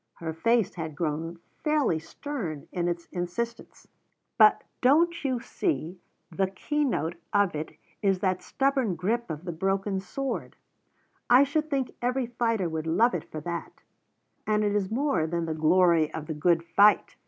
Her face had grown fairly stern in its insistence. "But don't you see The keynote of it is that stubborn grip on the broken sword. I should think every fighter would love it for that. And it is more than the glory of the good fight.